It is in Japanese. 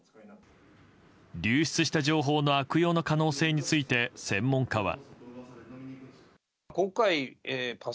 流出した情報の悪用の可能性について専門家は。